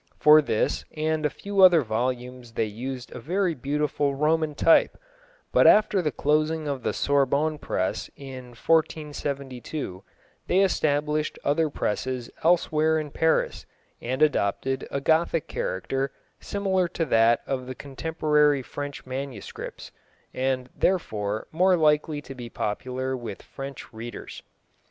For this and a few other volumes they used a very beautiful Roman type, but after the closing of the Sorbonne press in 1472 they established other presses elsewhere in Paris and adopted a Gothic character similar to that of the contemporary French manuscripts, and therefore more likely to be popular with French readers.